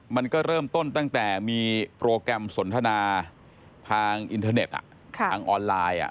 มันก็เริ่มต้นตั้งแต่มีโปรแกรมสนทนาทางออนไลน์